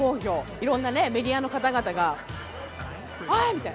いろんなね、メディアの方々が、おい！